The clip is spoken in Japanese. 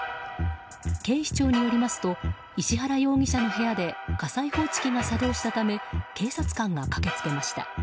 警視庁によりますと石原容疑者の部屋で火災報知器が作動したため警察官が駆けつけました。